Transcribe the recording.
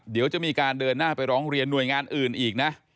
เดี๋ยวจะมีการเดินหน้าไปร้องเรียนหน่วยงานอื่นอีกนะ